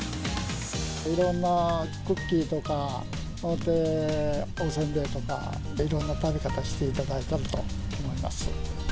いろんな、クッキーとか、おせんべいとか、いろんな食べ方していただいたらと思います。